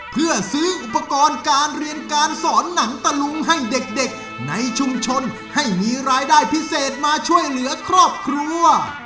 เพื่อซื้ออุปกรณ์การเรียนการสอนหนังตะลุงให้เด็กในชุมชนให้มีรายได้พิเศษมาช่วยเหลือครอบครัว